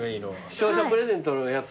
視聴者プレゼントのやつ決めてよ。